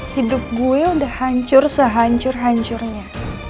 hidup gue udah hancur sehancur hancurnya